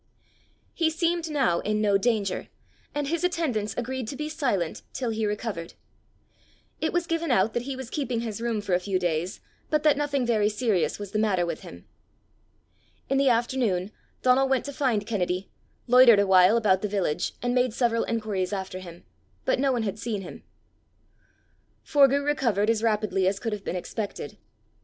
He seemed now in no danger, and his attendants agreed to be silent till he recovered. It was given out that he was keeping his room for a few days, but that nothing very serious was the matter with him. In the afternoon, Donal went to find Kennedy, loitered a while about the village, and made several inquiries after him; but no one had seen him. Forgue recovered as rapidly as could have been expected.